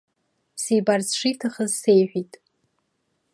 Сибарц шиҭахыз сеиҳәеит.